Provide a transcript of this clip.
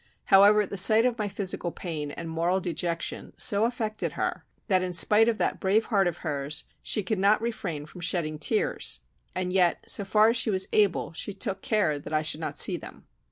However, the sight of my physical pain and moral dejection so affected her that in spite of that brave heart of hers, she could not refrain from shedding tears; and yet, so far as she was able, she took care I should not see them.